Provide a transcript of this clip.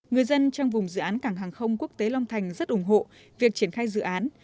người dân trong vùng dự án cảng hàng không quốc tế long thành rất ủng hộ việc triển khai dự án